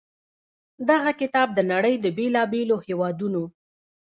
دغه کتاب د نړۍ د بېلا بېلو هېوادونو